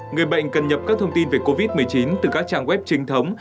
ba người bệnh cần nhập các thông tin về covid một mươi chín từ các trang web trinh thống